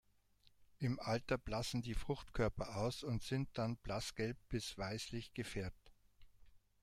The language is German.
Im Alter blassen die Fruchtkörper aus und sind dann blassgelb bis weißlich gefärbt.